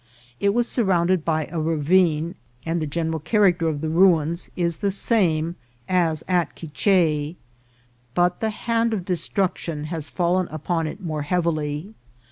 It was surrounded by a ravine, and the general character of the .ruins is the same as at Qui che, but the hand of destruction has fallen upon it more heavily.